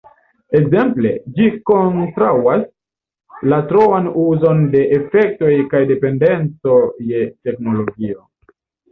Ekzemple, ĝi kontraŭas la troan uzon de efektoj kaj la dependeco je teknologio.